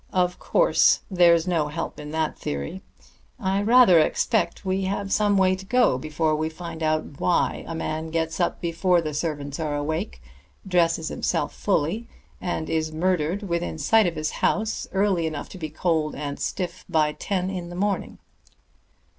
"Of course there's no help in that theory. I rather expect we have some way to go before we find out why a man gets up before the servants are awake, dresses himself fully, and is murdered within sight of his house early enough to be cold and stiff by ten in the morning."